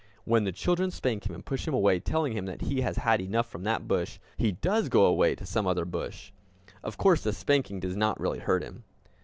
When the children spank him and push him away, telling him that he has had enough from that bush, he does go away to some other bush. Of course, the spanking does not really hurt him.